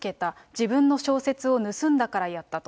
自分の小説を盗んだからやったと。